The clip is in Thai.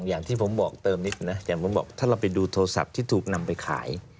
อย่างที่ผมบอกเติมนิดนะอย่างผมบอกถ้าเราไปดูโทรศัพท์ที่ถูกนำไปขาย